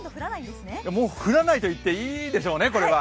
もう、降らないと言っていいでしょうね、これは。